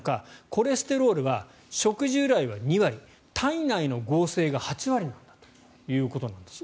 コレステロールは食事由来は２割体内の合成が８割なんだということです。